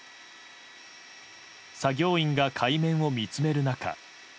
作業員が海面を見つめる中。